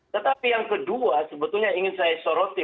tetapi yang kedua sebetulnya ingin saya soroti